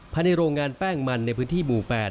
ภายในโรงงานแป้งมันในพื้นที่หมู่๘